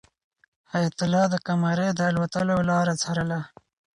حیات الله د قمرۍ د الوتلو لاره څارله.